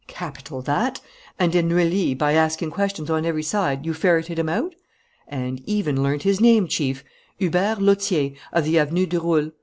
"Capital, that. And, in Neuilly, by asking questions on every side, you ferreted him out?" "And even learnt his name, Chief: Hubert Lautier, of the Avenue du Roule.